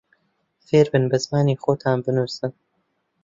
فێربن بە زمانی خۆتان بنووسن